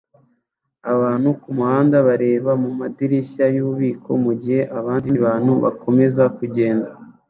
Abantu kumuhanda bareba mumadirishya yububiko mugihe abandi bantu bakomeza kugenda